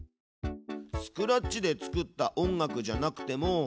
スクラッチで作った音楽じゃなくてもつけられるの？